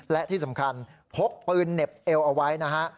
และที่สำคัญพกปืนเหน็บเอวเอาไว้นะฮะ